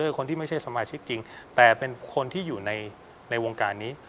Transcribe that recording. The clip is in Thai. คนที่ไม่ใช่สมาชิกจริงแต่เป็นคนที่อยู่ในวงการนี้